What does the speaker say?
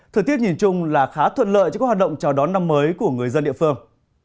thời tiết nhìn chung là khá thuận lợi cho các hoạt động chào đón năm mới của người dân địa phương